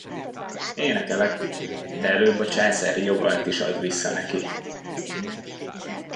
Énekelek, de előbb a császári jogart is add vissza neki!